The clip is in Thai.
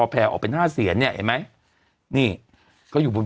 สวัสดีครับคุณผู้ชม